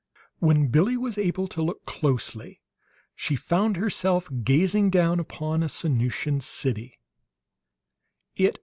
When Billie was able to look closely, she found herself gazing down upon a Sanusian city.